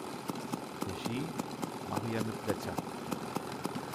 Regie: Marianne Pletscher.